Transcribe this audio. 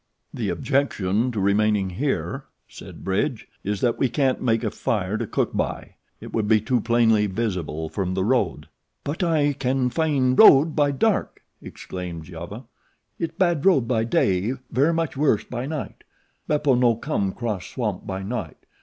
"The objection to remaining here," said Bridge, "is that we can't make a fire to cook by it would be too plainly visible from the road." "But I can no fin' road by dark," explained Giova. "It bad road by day, ver' much worse by night. Beppo no come 'cross swamp by night.